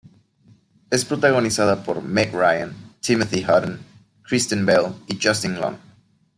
Es protagonizada por Meg Ryan, Timothy Hutton, Kristen Bell y Justin Long.